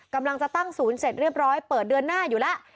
กำลังจะตั้งศูนย์เสร็จเรียบร้อยเปิดเดือนหน้าอยู่แล้ว